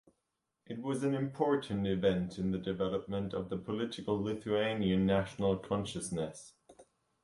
It was an important event in the development of the political Lithuanian national consciousness.